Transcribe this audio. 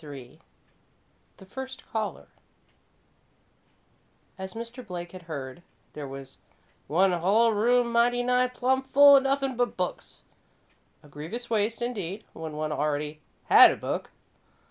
III The First Caller As Mr. Blake had heard, there was "one hull room mighty nigh plum full o' nothin' but books"; a grievous waste, indeed, when one already "had a book."